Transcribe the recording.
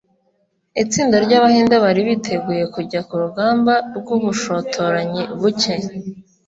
Itsinda ryAbahinde bari biteguye kujya kurugamba rwubushotoranyi buke